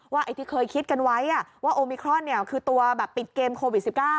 ไอ้ที่เคยคิดกันไว้ว่าโอมิครอนคือตัวแบบปิดเกมโควิด๑๙